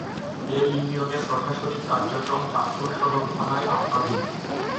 এ ইউনিয়নের প্রশাসনিক কার্যক্রম চাঁদপুর সদর থানার আওতাধীন।